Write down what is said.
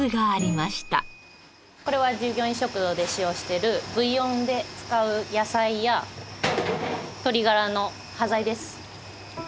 これは従業員食堂で使用してるブイヨンで使う野菜や鶏ガラの端材です。